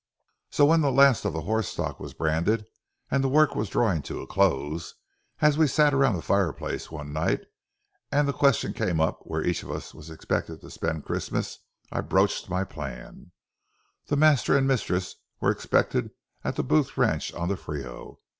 So when the last of the horse stock was branded and the work was drawing to a close, as we sat around the fireplace one night and the question came up where each of us expected to spend Christmas, I broached my plan. The master and mistress were expected at the Booth ranch on the Frio.